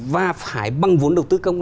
và phải bằng vốn đầu tư công